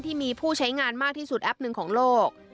ที่มีผู้ใช้งานมากที่สุดแอปหนึ่งของโลก